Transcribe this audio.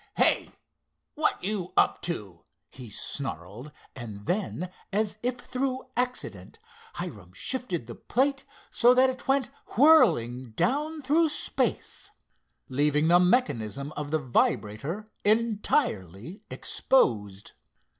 "Hey, what you up to?" he snarled and then, as if through accident, Hiram shifted the plate so that it went whirling down through space, leaving the mechanism of the vibrator entirely exposed.